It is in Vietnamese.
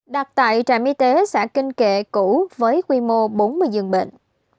đặt tại trạm y tế xã kinh kệ củ với quy mô bốn mươi dường bệnh